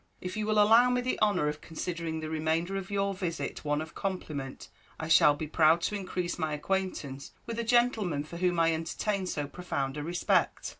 If you will allow me the honour of considering the remainder of your visit one of compliment, I shall be proud to increase my acquaintance with a gentleman for whom I entertain so profound a respect."